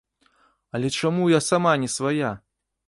Але чаму я сама не свая!